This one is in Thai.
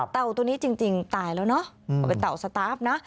ตัวนี้จริงตายแล้วเนอะก็เป็นเต่าสตาร์ฟนะ